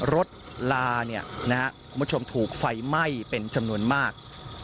ลาคุณผู้ชมถูกไฟไหม้เป็นจำนวนมาก